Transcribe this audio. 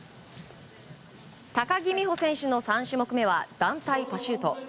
高木美帆選手の３種目めは団体パシュート。